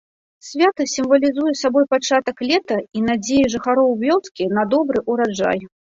Свята сімвалізуе сабой пачатак лета і надзеі жыхароў вёскі на добры ураджай.